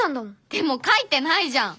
でも書いてないじゃん！